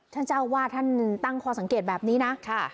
ท่านเจ้าว่าท่านตั้งคอสังเกตแบบนี้นะ